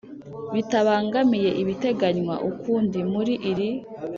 Bitabangamiye ibiteganywa ukundi muri iri